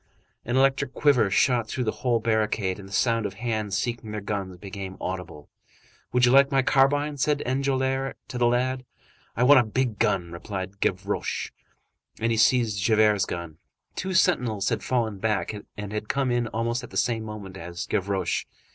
An electric quiver shot through the whole barricade, and the sound of hands seeking their guns became audible. "Would you like my carbine?" said Enjolras to the lad. "I want a big gun," replied Gavroche. And he seized Javert's gun. Two sentinels had fallen back, and had come in almost at the same moment as Gavroche.